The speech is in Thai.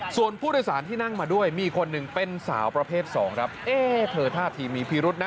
ส่วนผู้โดยสารที่นั่งมาด้วยมีคนหนึ่งเป็นสาวประเภทสองครับเอ๊เธอท่าทีมีพิรุษนะ